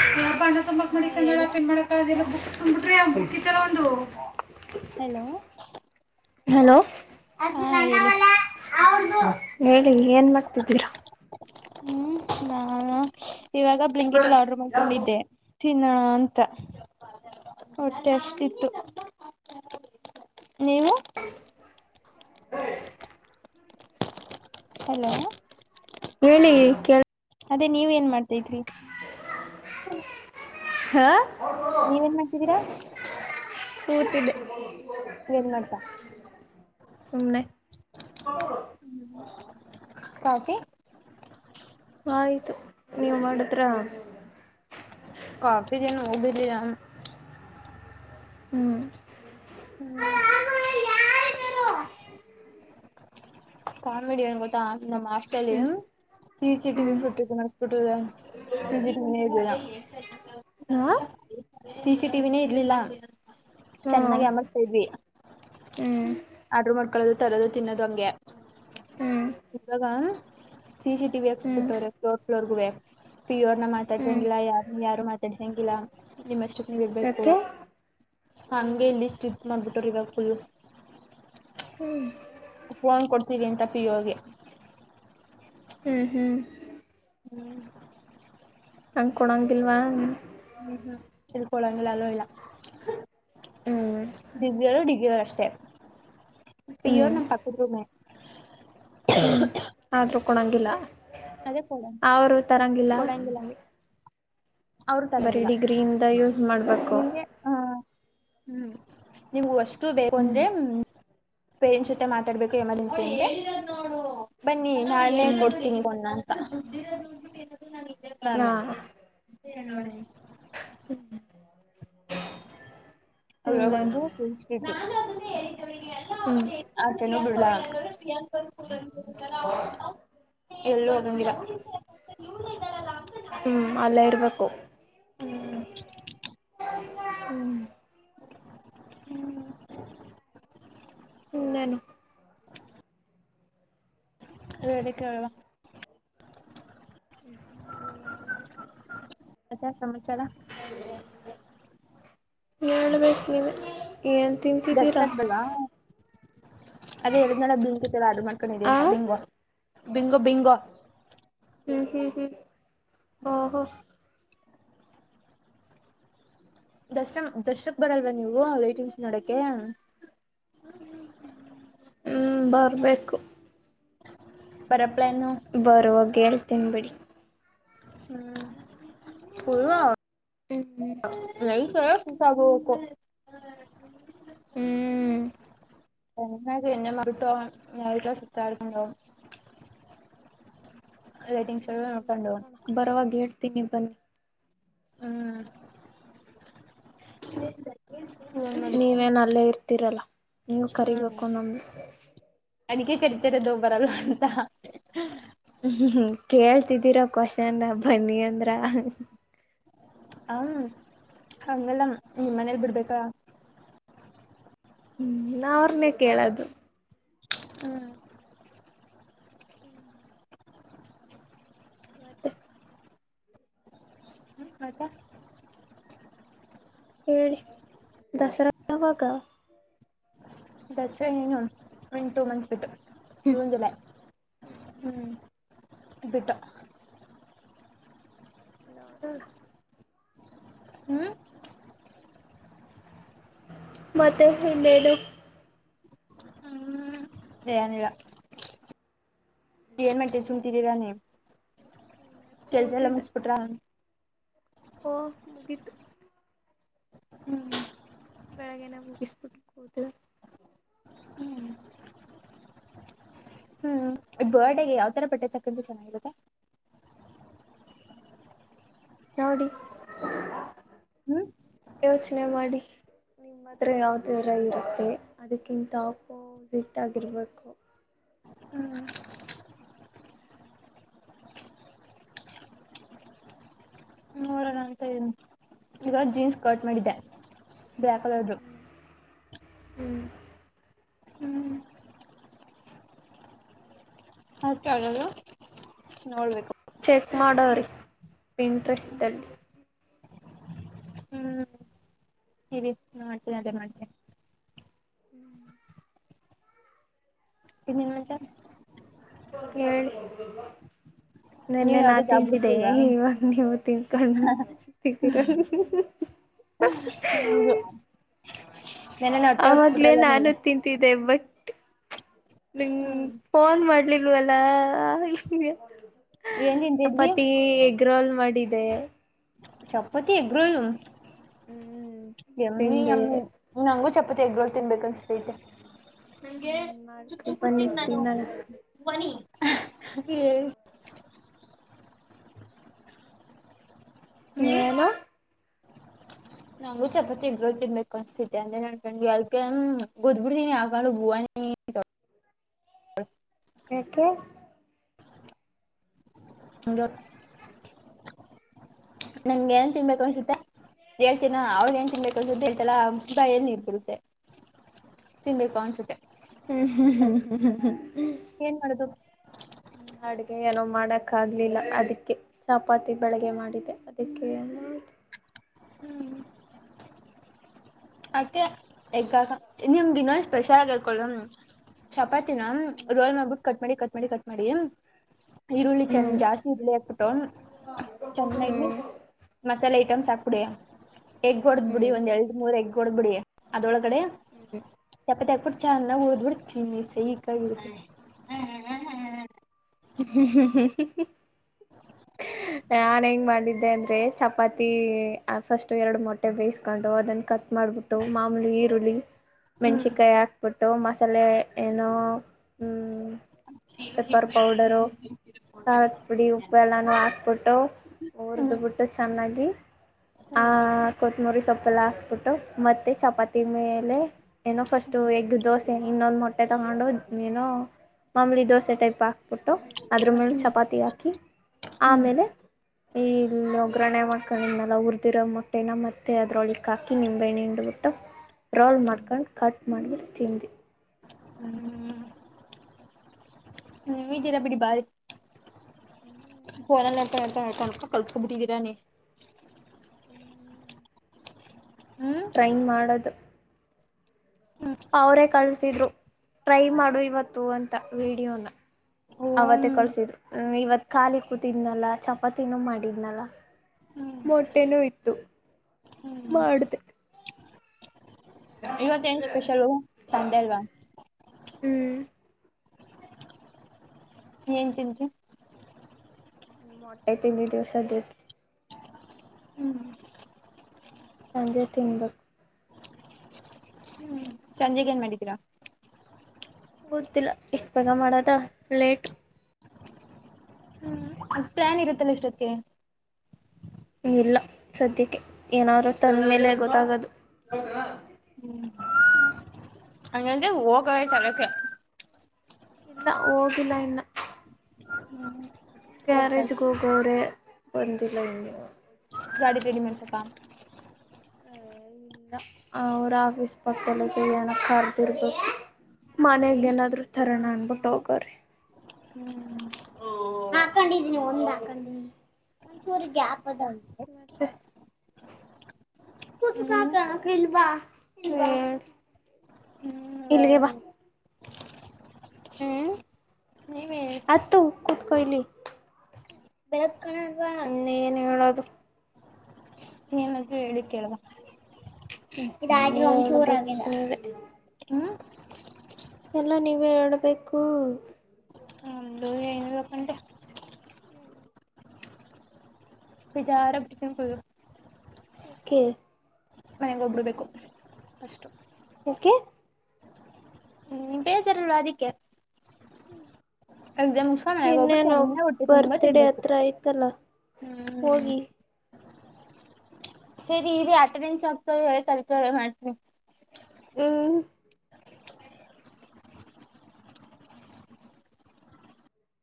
hello ಹಾ ಹೇಳಿ hello hello ಅದು ಹಾ ಹೇಳಿ ನನ್ನವಲ್ಲ ಅವರದು ಹೇ ಏನ್ ಮಾಡ್ತಿದ್ದೀರಾ ಹ್ಮ್ ನಾ ಇವಾಗ ಬ್ಲಿಂಕಿಟಲ್ಲಿ ಆರ್ಡ್ರ ಮಾಡ್ಕೊಂಡಿದ್ದೆ ತಿನ್ನೋಣ ಅಂತ ಹೊಟ್ಟೆ ಅಷ್ಟತಿತ್ತು ನೀವು [inaudible] ಹಲೋ ಹೇಳಿ ಕೇಳ ಅದೇ ನೀವ ಏನ್ ಮಾಡಾ್ತಿದ್ರಿ ಹಾ ನೀವೇನ್ ಮಾಡ್ತಿದ್ದೀರಾ ಕೂತಿದ್ದ ಏನ್ ಮಾಡ್ತಾ ಸುಮನೆ ಕಾಫಿ ಆಯ್ತು ನೀವ್ ಮಾಡದ್ರ ಕಾಫಿ ದಿನ ಭಾಮ ಹ್ಮ್ ಹ್ಮ್ ಕಾಮಿಡಿಯನ್ ಗೊತ್ತಾ ನಮ್ಮ್ ಆಸ್ಲ್ಲಿ ಹ್ಮ್ ಸಿ ಚಿಟಿ ಬಿ ಹ್ಮ್ ಬಿುಟ್ಟ ಮರ್ತಿಬಿಟ್ಟುದ ಸಿ ಚಿಟಿ ನೇ ಇರ್ಲಿಲ್ಲ ಹಾ ಸಿಿಸಿ ಟಿವಿನೇ ಇರ್ಲಿಲ್ಲ ಹಾ ಚೆನ್ನಾಗಿ ಯಮರ್ಥ ಇದ್ವಿ ಹ್ಮ್ ಅಡ್ರ ಮಟ್ಟ ಮಕ್ಕಳದು ತರದು ತಿನ್ನೋದು ಹಂಗೆ ಹ್ಮ್ ಹ್ಮ್ ಇವಾಗ ಸಿ ಟಿ ಹ್ಮ್ ಹಕ್ಸ್ಬುಟ್ಟ್ರ ಫ್ಲೋರ್ಫ್ೋರ್ಗ ಬು ಪ್ರಿಯೋರ್ನ ಹ್ಮ್ ಮಾತಾಡ್ಸಂಗಿಲ್ಲ ಯಾರನ್ನ ಯಾರು ಮಾತಾಡ್ಸಂಗಿಲ್ಲ ನಿಮ್ಮಷ್ಟಕ್ ನೀ್ ಇರ್ಬೇಕು ಟ್ ಹಂಗೆ ಇಲ್ಲಿ ಸ್ಟಿಪ್ ಮಾಡ್ಬಿಟ್ಟರು ಇವಾಗ ಫುಲ್ಲು ಹ್ಮ್ ಪ್ೊಂಡ್ ಕೊಡ್ತೀವಿ ಅಂತಪ್ಪಿಯೋಗಗೆ ಹ್ಮ್ ಹ್ಮ್ ಹ್ಮ್ ಹಂಗ್ ಕೊಡಂಗಿಲ್ವಾ ಹ್ಮ್ ಹ್ಮ್ ಚಲ್ಪ ಒಳಗ ಇಲ್ಲ ಹ್ಮ್ ಡಿಗ್ರಿಲ್ಲ ಡಿಗ್ರಿ ಅಷ್ಟೇ ಹ್ಮ್ ಇಯ್ಯೋರ್ ನಮ್ಮ ಪಕಮೆ ಹ್ಮ್ ಆದ್ರೂ ಕೊಣಂಗಿಲ್ಲ ಅದೇ ಕೊಡ ಕೊಡಂಗಿಲ್ಲಲ್ಲಿ ಅವರು ಬರೀ ತರಂಗಿಲ್ಲ ಡಿಗ್ರಿಯಿಂದ ಯೂಸ್ ಮಾಡ್ಬೇಕು ನಿಮ್ಗೆ ಹ ಹ್ಮ್ ನಿಮ್ಗ ಅಷ್ಟು ಬೇಕು ಹ್ಮ್ ಅಂದ್ರೆ ಪೇರೆಂಟ್ಸ್ ಜೊತೆ ಮಾತಾಡ್ಬೇಕು ಎಮರ್ಜೆನ್ಸಿ ನಿಮಗೆ ಬನ್ನಿ ನಾಳೆ ಕೊಡ್ತೀನಿ ಬಣ್ಣ ಅಂತ ಲ್ಲ ಹ್ಮ ಅ ಇನ್ನೇನು ಬಂದು ಹ್ಮ್ ಅ ಚ ನೀ ಬಿಡ್ ಎಲ್ಲೂ ಹದಂಗಿರ ಹ್ಮ್ ಅಲ್ಲ ಇರ್ಬೇಕು ಹ್ಮ್ ಹ್ಮ್ ಹ್ಮ್ ಹನ್ನಾನ ರಡಕ್ಕೆ ಅವವಾ ಪ್ರಾ ಸಮಾಚಾರ ನಿ ನ್ ದರ್ಶ್ ತಿಂತಿಿದ್ದೀರಾ ಆಗ್ದಲ್ವಾ ಅದೇ ಎರಿದ್ನಳ ಬಿಂಕುವ ಅದು ಮಾಡ್ಕೊಂಡ ಆ ಅಂತ ಬಿಂಗೋ ಬಿಂಗೋ ಬಿಂಗೋ ಹ್ಮ್ ಹ್ಮ್ ಹ್ಮ್ ಹ ಹ ದಶ್ರಮ ದಶ್ರಕ್ ಬರಲ್ವಾ ನೀವು ಹೈಟನ್ಸ್ ನೋಡಕ್ಕೆ ಹ್ಮ್ ಬರ್ಬೇಕು ಬ ಬರುವಾಗ ಹೇಳ್ತೀನಿ ಬಿಡಿ ಹ್ಮ್ ಹರು ಹ್ಮ ಹ ಸಾಗಕ ಹ್ಮ್ ಎ ಎೆ ಮಟ್ಟ ಲ ಸುುತ್ತಾರಕಟ ಲೈಟಿಂಗ್ಸ್ ಎಲ್ಲ ನ ಕೊಂಡಣ ತಿನ್ನಿ ಬನ್ನಿ ಹ್ಮ್ [inaudible] ಮಾಡಿ ನೀವೇನ್ ಅಲ್ಲೇ ಇರ್ತೀರಲ್ಲ ನೀವು ಕರಿಬೇಕು ನಮ್ದು ಅಡಿಕೆ ಕರಿತಾರ ಅದು ಬರಲ್ಲ ಅಂತ ಹ್ಮ್ ಕೇಳ್ತಿದ್ದೀರಾ ಕ್ವಶನ್ ಬನ್ನಿ ಅಂದ್ರ ಹ ಹಂಗಲ್ಲ ನಿಮ್ಮ್ ಮನೇಲಿ ಬಿಡ್ಬೇಕ ಹ್ಮ ಅವ್ರನೆೇ ಕೇಳದು ಹ್ಮ ಹ್ಮ್ ಮತ್ತೆ ಹ್ಮ [unintelligible] ದಸರ [unintelligible] ದಸರಾ ಇನ್ನೇನು ಟು ಮಂಚ್ಸ್ ಬಿಟ್ಟು ಹ್ಮ ಜುನ್ ಜುಲೈ ಹ್ಮ್ ಇ ಬಿಟ್ಟು ನೋಡೋಣ ಹ್ಮ್ ಮತ್ತೆ ಇನ್ನೇನು ಹ್ಮ್ ಏನಿಲ್ಲ [unintelligible] ಯನ್ಮಂಟೆ ಚುತಿರರಾನೆ ಕೆಲ್ಸ ಎಲ್ಲ ಕೂತಿದ್ದೆ ಮುಗ್ಸ್ಬಿಟ್ರ ಓ ಮುಗಿತ ಹ್ಮ್ ಬೆಳಗ್ಗೆನೇ ಮುಗಿಸಿ ಬಿಟ್ಬು ಕೂತೌನಿ ಹ್ಮ್ ಬರ್ಡೆಗೆ ಯಾವತರ ಬಟ್ಟೆ ತಗೊಂಡ್ರೆ ಚೆನ್ನಾಗಿರುತ್ತೆ ನೋಡಿ ಹ್ಮ ಯೋಚನೆ ಮಾಡಿ ನಿಮ್ಮತ್ರ ಯಾವ್ದರ ಇರುತ್ತೆ ಅದಕ್ಕಿಂತ ಅಪೋಸಿಟ್ ಆಗಿರ್ಬೇಕು ಈಗಾಗ ಜೀನ್ಸ್ ಕರ್ಟ್ ಮಾಡಿದ್ದೆ ಬ್ಲಾಕ್ ಕಲರ್ರು ಹ್ಮ್ ಅತದು ನೋಡ್ಬೇಕು ಚೆಕ್ ಮಾಡೋರಿ ಇಂಟ್ರೆಸ್ಲ್ಲಿ ಮಾಡ್ತೇನೆ ಅದೇ ಮಾಡ್ತೇನೆ ಇನ್ ಏನ್ ಮತ್ತೆ ಹೇಳಿ ನೆನ್ನೆ ನೀವ್ ನಾ ಯಾವ್ದೋ ಜಾಬ್ ತಿಂತಿದ್ದೆ ಹುಡುಕ್ತಿಲ್ವಾ ಇವಾಗ ನೀವು ತಿನ್ಕೊಂಡುಇದೀರಾ ಹೌದು [unintelligible] ನೆನ್ನೆನೆ ಹೊಟ್ಟೆ ಆಗ್ಲೇ ಉರ್ಸ್ಬಿಟ್ರಲ್ಲ ನಾನು ನೀವು ತಿಂತಿದ್ದೆ ಬಟ್ [inaudible] ನಿಂಗ ಹ್ಮ್ ಫೋನ್ ಮಾಡ್ಲಿಲ್ವಲ್ಲಾ ಏನ್ ತಿಂದಿದ್ವಿ ಚಪಾತಿ ಎಗ್ ರೋಲ್ ಮಾಡಿದೆ ಚಪ್ಪೋತಿ ಆಗ್ರೋಲು ಹ್ಮ್ ಎಮಿ ತಿಂದೆ ಎಮಿ ನಂಗೂ ಚಪ್ಪತಿ ಎಗ್ ರೋಲ್ ತಿನ್ಬೇಕು ಅನ್ಸ್ತೈತಿ ನನ್ಗೆ ಹ್ಮ್ ಮಾಡ್ಕೊ ಚುಚ್ಚು ಬನ್ನಿ ಕೊಡ್ತೀನಿ ನಾನು ತಿನ್ನೋಣ ಮನಿ ಹ್ಮ್ ಹೇನು ನಂಗೂ ಚಪಾತಿ ಇಗ್ರೋಲ್ ತಿನ್ಬೇಕು ಅನಿಸುತ್ತಿತೈತೆ ಅಂದೆ ಅದಕ್ಕೆ ನನ್ ತಂಗಿ ಗುದ್ದು ಬಿಡ್ತೀನಿ ಹಾಕೊಂಡು ಬೋನಿ ಹ ಹ್ಮ ಯಾಕೆ [inaudible] [inaudible] ನಿಂಗೇನ್ ಏನ್ ತಿನ್ಬೇಕು ಅನ್ಸುತ್ತಾ ಹೇಳ್ತೀನ ಅವ್ರಗ್ ಏನ್ ತಿನ್ಬೇಕು ಅಂತಸದ್ದ ಹೇಳ್ತಲ್ಲ ಭಯಲ್ಲಿ ನೀರ್ ಬರುತ್ತೆ ತಿನ್ಬೇಕು ಅನ್ಸುತ್ತೆ ಹ್ಮ ಅದ್ ಹ ಏನ್ ಮಾಡೋದು [inaudible] ಅಡುಗೆ ಏನೋ ಮಾಡಕ್ಕಾಗಲಿಲ್ಲ ಅದಕ್ಕೆ ಚಪಾತಿ ಬೆಳ್ಳಗೆ ಮಾಡಿದೆ ಅದಕ್ಕೆ [inaudible] ಅಕೆ ಎಗ್ಗ ನಿಮ್ ಇನೊಂದಿನ ಸ್ಪೆಷಲ್ ಆಗಿ ಇರ್ಕೊಳ ಚಪಾತಿ ರೋಲ್ ಮಾಡ್ಬಿಟು ಕಟ್ ಮಾಡಿ ಕಟ್ ಮಾಡಿ ಕಟ್ ಮಾಡಿ ಈರುಳ್ಳಿ ಚೆಂದ ಹ್ಮ್ ಜಾಸ್ತಿ ಇರ್ಲಿ ಹಾಕ್ಬಿಟ್ಟು ಚೆನ್ನಾಗಿ ಹ್ಮ್ ಮಸಾಲೆ ಐಟಮ್ಸ್ ಹಾಕ್ ಡಿ ಎಗ್ ಹೊಡದ್ ಬಿಡಿ ಹ್ಮ್ ಒಂದ ಎರಡ್ ಮೂರ್ ಎಗ್ ಹೊಡಬ ಬಿಡಿ ಅದೊಳಗೆ ಕಡೆ ಚಪಾತಿ ಹಾಕ್ಬಿಟ್ಟ ಚನ್ನಾಗ ಓದ್ಬಿಡ್ತೀನಿ ಸೈಕ್ ಆಗಿ ಇರುತ್ತೆ ಹ್ಮ್.. ಹ್ಮ್.. ನಾನ್ ಹೆಂಗ್ ಮಾಡಿದ್ದೆ ಅಂದ್ರೆ ಚಪಾತಿ ಫಸ್ಟ್ ಎರಡು ಮೊಟ್ಟೆ ಬೇಯಿಸ್ಕೊಂಡು ಅದನ್ನ ಕಟ್ ಮಾಡ ಮಾಡ್ಬಿಟ್ಟು ಮಾಮೂಲಿ ಈರುಳ್ಳಿ ಹ್ಮ್ ಮೆಣ್ಸಿನ್ಕಾಯಿ ಹಾಕ್ಬಿಟ್ಟು ಮಸಾಲೆ ಏನೋ ಪೆಪ್ಪರ್ ಪೌಡರು ಖಾರಕ್ ಪುಡಿ ಉಪ್ಪ ಎಲ್ಲಾನು ಹಾಕ್ಬಿಟ್ಟ ಟೋ ಹ್ಮ್ ಉರಿದ್ಬಿಟ್ಟು ಚೆನ್ನಾಗಿ ಆ ಹ್ಮ್ ಕೊತ್ತಂಬರಿ ಸೊಪೆಲ್ಲಾ ಹಾಕ್ಬಿಟ್ಟು ಮತ್ತೆ ಚಪಾತಿ ಮೇಲೆ ಏನೋ ಫಸ್ಟ್ ಎಗ್ ದೋಸೆ ಇನ್ನೊಂದು್ ಮೊಟ್ಟೆ ತಗೊಂಡು ನೀನು ಮಾಮೂಲಿ ದೋಸೆ ಟೈಪ್ ಹಾಕ್ಬಿಟ್ಟು ಅದ್ರ ಮೇಲೆ ಹ್ಮ್ ಚಪಾತಿ ಹಾಕಿ ಹ್ಮ್ ಆಮೇಲೆ ಈ ಇಲ್ಲಿ ಒಗ್ಗ್ರರಣೆ ಮಾಡ್ಕೊಂಡ್ೆಲ್ಲ ಉುರ್ಿದಿರೋ ಮೊಟ್ಟೆನ ಮತ್ತೆ ಅದ್ರೊಳಿಕ್ ಹಾಕಿ ನಿಂಬೆಹಣ್ಣು ಹಿಂಡ್ಬಿಟ್ಟು ವಟ ರೋಲ್ ಮಾಡ್ಕೊಂಡು ಕಟ್ ಮಾಡಿದ ತಿಿಂದಿ ಹ್ಮ್ ನೀವಿದಿರ ಬಿಡಿ ಬಾರಿ ಹ್ಮ್ ಫೋನ್ ನೋಡ್ಕಂಡ್ ನೋಡ್ಕಂಡ್ ಕಲ್ಕೋಡಬಿಟ್ಟಿದೀರಾ ಟ್ರೈ ಮಾಡದು ಹ್ಮ್ ಅವರೇ ಕಳ್ಸಿದ್ರು ಟ್ರೈ ಮಾಡು ಇವತ್ತು ಅಂತ ವಿೀಡಿಯೋನ ಓಂ ಅವತ್ತೇ ಕಳ್ಸಿದ್ರು ಇವತ್ ಖಾಲಿ ಕೂತಿದ್ನಲ್ಲ ಚಪಾತಿನೂ ಮಾಡಿದ್ನಲ್ಲ ಹ್ಮ್ ಮೊಟ್ಟೆನೂ ಇತ್ತು ಹ್ಮ್ ಮಾಡಿದೆ ಇವತ್ತ ಏನ್ ಸ್ಪೆಷಲ್ ಸಂಡೆ ಅಲ್ವಾ ಹ್ಮ್ ಏನ್ ತಿಂತಿಯ ಮೊಟೆ ತಿನ್ನಡ್ ಇದೀನಿ ಸದ್ಯಕ್ಕೆ ಹ್ಮ್ ಸಂಜೆ ತಿನ್ಬೇಕು ಹ್ಮ್ ಸಂಜೆಕ್ ಏನ್ ಮಾಡಿದ್ದೀರಾ ಗೊತ್ತಿಲ್ಲ ಇಷ್ಟು ಬೇಗ ಮಾಡದ ಲೇಟ್ು ಅದು ಪ್ಲಾನ್ ಇರುತ್ತಲ್ಲ ಎಷ್ಟಕ್ಕೆ ಇಲ್ಲ ಸದ್ಯಕ್ಕೆ ಏನಾದ್ೂ ತಂದ್ಮೇಲೆ ಗೊತ್ತಾಗದು ಅಂಗಂದ್ರೆ ಹೋಗಲತಲಕ್ಕೆ ಇಲ್ಲ ಹೋಗಿಲ್ಲ ಇನ್ನ ಹೋಗ್ತಾರೆ ಗ್ಯಾರೇಜ್ ಹೋಗವ್ರೆ ಅವರೆ ಬಂದಲ್ಲ ಇನ್ನು ಗಾಡಿ ರೆಡಿ ಮಾಡಸಕಾ ಇಲ್ಲ ಅವ್ರ ಆಫೀಸ್ ಪಕ್ಕದಲ್ಲಿ ಏನೋ ಕರ್ದಿರ್ರಾಬೇಕು ಮನ್ಯಾಗ ಏನಾದ್ರು ತರೋಣ ಅನ್ಬಿಟ್ಟ ಹೋಗವ್ರಿ ಹಾಕೊಂಡಿದೀನಿ ಒಂದ್ ಹಾಕೊಂಡಿದೀನಿ ಹೂ ಇನ್ನೇನು ಇಲ್ಲಿಗೆ ಬಾ ಹ್ಮ್ ಹ್ಮ್ ನೀವೇ ಹತ್ತು ಕುತ್ಕೋ ಇಲ್ಲಿ ಬೆಳಕ ಕಾಣಲ್ವಾ ಇನ್ ಏನ ಹೇಳೋದು ಏನಾದ್ರು ಹೇಳಿ ಕೇಳವಾ ಹೇಳ್ಬೇಕು ಹ್ಮ್ ಎಲ್ಲ ನೀವೇ ಹೇಳ್ಬೇಕು ನಮ್ದು ಏನಿಲ್ಲಪ್ಪಂದ್ರೆ ಬಜಾರ ಪಿಂಪಲ್ ಕೆ ಮನೆಗೆ ಒಬ್ಬರ್ಬೇಕು ಓಕೆ ಇರಲ್ಲ ಅದಕ್ಕೆ ಎಕ್ಸಾಮ್ ಮುಗಿಸ್ಕೊಂಡು ಮನೆಗೆ ಹೋಗ್ಬಿಟ್ಟು ಇನ್ನೇನು ಚೆನ್ನಾಗಿ ಹೊಟ್ಟೆ ತುಂಬಾ ಬರ್ತ್ ಡೇ ತಿನ್ಬೇಕು ಹತ್ರ ಅಯ್ತಲ್ಲ ಹ್ಮ್ ಹೋಗಿ ಸರಿ ಇರೀ ಅಟೆಂಡೆನ್ಸ್ ಆಕ್ತಿದ್ದೀನಿ ಅಮೆಲಿ ಮಾಡ್ತೀನಿ ಹ್ಮ್